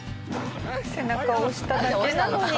背中を押しただけなのに。